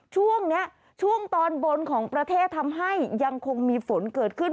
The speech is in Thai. ช่วงนี้ช่วงตอนบนของประเทศทำให้ยังคงมีฝนเกิดขึ้น